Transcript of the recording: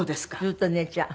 ずっと寝ちゃう。